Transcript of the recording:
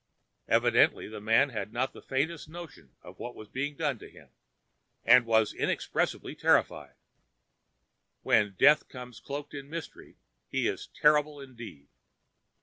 Evidently the man had not the faintest notion of what was being done to him, and was inexpressibly terrified. When Death comes cloaked in mystery he is terrible indeed.